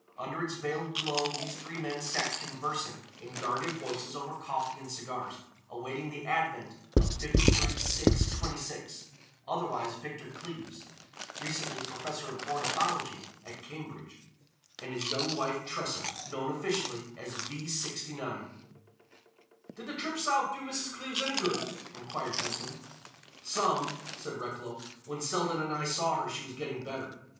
Under its veiled glow these three men sat conversing in guarded voices over coffee and cigars, awaiting the advent of 53 6 26, otherwise Victor Cleves, recently Professor of Ornithology at Cambridge; and his young wife, Tressa, known officially as V 69. "Did the trip South do Mrs. Cleves any good?" inquired Benton. "Some," said Recklow. "When Selden and I saw her she was getting better."